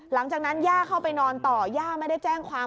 หลังจากนั้นย่าเข้าไปนอนต่อย่าไม่ได้แจ้งความ